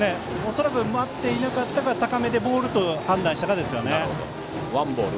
恐らく待っていなかったか高めでボールと判断したかですね。